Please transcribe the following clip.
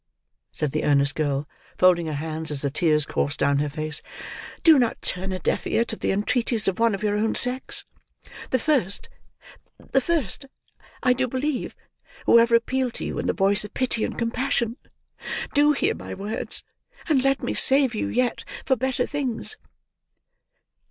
said the earnest girl, folding her hands as the tears coursed down her face, "do not turn a deaf ear to the entreaties of one of your own sex; the first—the first, I do believe, who ever appealed to you in the voice of pity and compassion. Do hear my words, and let me save you yet, for better things."